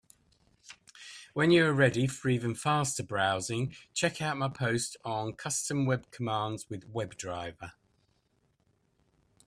When you are ready for even faster browsing, check out my post on Custom web commands with WebDriver.